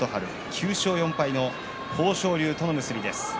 ９勝４敗の豊昇龍との結びです。